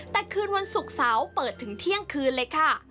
แต่คืนวันศุกร์เสาร์เปิดถึงเที่ยงคืนเลยค่ะ